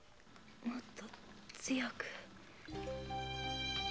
もっと強く。